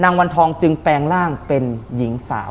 วันทองจึงแปลงร่างเป็นหญิงสาว